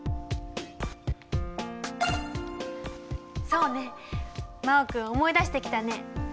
そうね真旺君思い出してきたね。